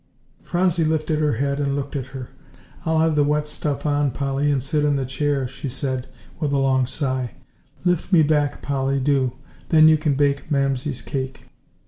Phronsie lifted her head and looked at her. "I'll have the wet stuff on, Polly, and sit in the chair," she said, with a long sigh; "lift me back, Polly, do; then you can bake Mamsie's cake."